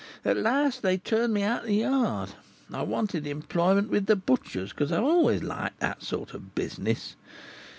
At last they turned me out of the yard. I wanted employment with the butchers, for I have always liked that sort of business.